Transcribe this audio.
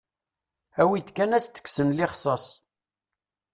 Awi-d kan as-d-kksen lixsas.